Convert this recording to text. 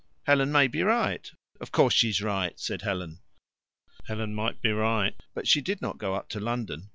"Helen may be right." "Of course she's right," said Helen. Helen might be right, but she did not go up to London.